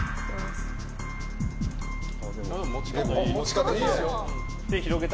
持ち方、いいです。